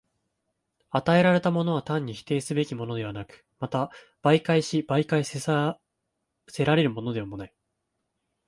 与えられたものは単に否定すべきものでもなく、また媒介し媒介せられるものでもない。